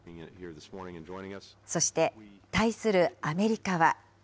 そして対するアメリカは。